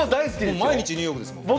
もう毎日ニューヨークですもん。